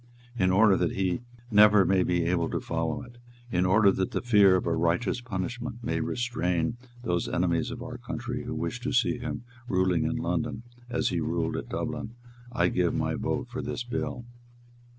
In order that he never may be able to follow it, in order that the fear of a righteous punishment may restrain those enemies of our country who wish to see him ruling in London as he ruled at Dublin, I give my vote for this bill."